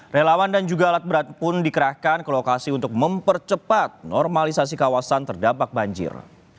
relawan dan juga alat berat pun dikerahkan ke lokasi untuk mempercepat normalisasi kawasan terdampak banjir